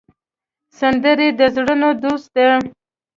سندره د زړونو دوست ده